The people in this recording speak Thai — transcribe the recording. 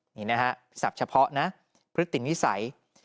นี้นะฮะภาพเฉพาะนะพิตินิสัย